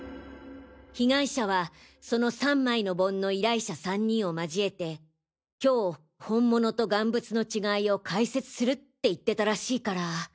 被害者はその３枚の盆の依頼者３人をまじえて今日本物と贋物の違いを解説するって言ってたらしいから。